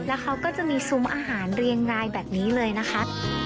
แล้วเขาก็จะมีซุ้มอาหารเรียงรายแบบนี้เลยนะคะ